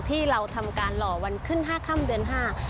ที่เราทำการหล่อวันขึ้นห้าค่ำเดือนห้า